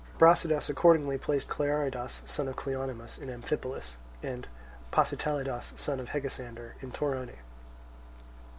Brasidas accordingly placed Clearidas, son of Cleonymus, in Amphipolis, and Pasitelidas, son of Hegesander, in Torone.